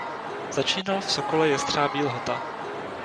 Začínal v Sokole Jestřabí Lhota.